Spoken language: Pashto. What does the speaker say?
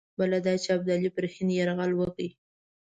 بله دا چې ابدالي پر هند یرغل وکړي.